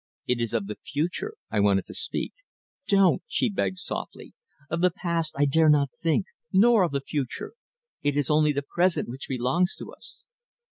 It is of the future I wanted to speak." "Don't," she begged softly. "Of the past I dare not think, nor of the future. It is only the present which belongs to us."